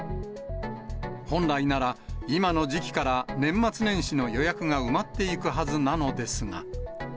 本来なら、今の時期から年末年始の予約が埋まっていくはずなのですが。